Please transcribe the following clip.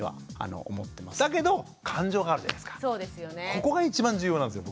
ここが一番重要なんですよ。